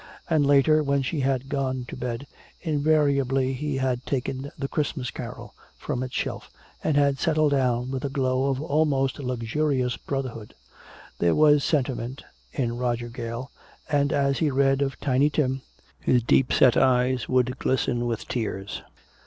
And later, when she had gone to bed, invariably he had taken "The Christmas Carol" from its shelf and had settled down with a glow of almost luxurious brotherhood. There was sentiment in Roger Gale, and as he read of "Tiny Tim" his deepset eyes would glisten with tears.